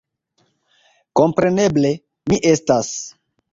Kompreneble, mi estas....